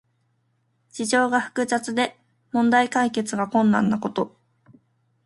事情が複雑で問題解決が困難なこと。